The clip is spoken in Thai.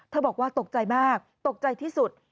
บอกว่าตกใจมากตกใจที่สุด